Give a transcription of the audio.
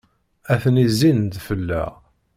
Atni zzin-d fell-aɣ.